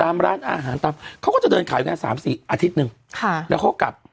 ตามร้านอาหารตามเขาก็จะเดินขายแค่สามสี่อาทิตย์หนึ่งค่ะแล้วเขากลับ